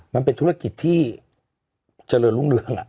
มันเป็นธุรกิจที่เจริญรุ่งเรือง